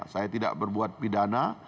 saya tidak berbuat pidana